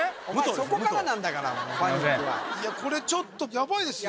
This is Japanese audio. そこからなんだからパニックはこれちょっとやばいですよ